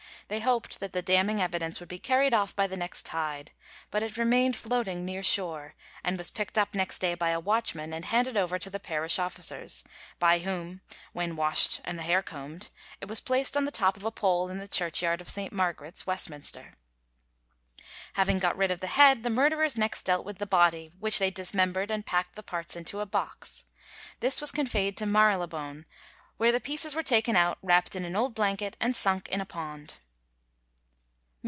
They hoped that the damning evidence would be carried off by the next tide, but it remained floating near shore, and was picked up next day by a watchman, and handed over to the parish officers, by whom, when washed and the hair combed, it was placed on the top of a pole in the churchyard of St. Margaret's, Westminster. Having got rid of the head, the murderers next dealt with the body, which they dismembered, and packed the parts into a box. This was conveyed to Marylebone, where the pieces were taken out, wrapped in an old blanket, and sunk in a pond.